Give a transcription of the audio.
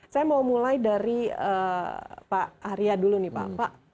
saya mau mulai dari pak arya dulu nih pak